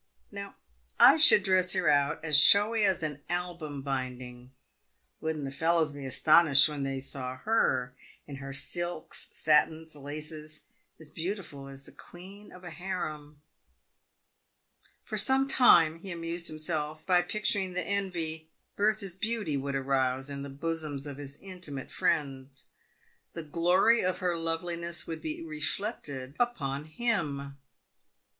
Now, I should dress her out as showy as an album binding. "Wouldn't the fellows be astonished when they saw her in her silks, satins, and laces, as beautiful as the queen of a harem !" For some time he amused himself by picturing the envy which Bertha's beauty would arouse in the bosoms of his intimate friends. The glory of her loveliness would be reflected upon him.